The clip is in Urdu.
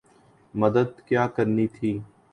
مدد کیا کرنی تھی۔